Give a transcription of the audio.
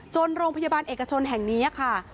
โรงพยาบาลเอกชนแห่งนี้ค่ะ